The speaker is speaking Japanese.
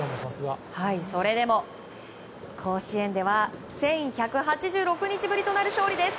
それでも甲子園では１１８６日ぶりとなる勝利です。